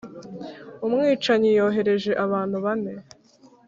umwicanyi yohereje abantu bane